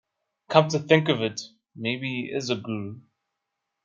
Come to think of it, maybe he is a guru.